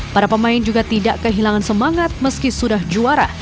para pemain juga tidak kehilangan semangat meski sudah juara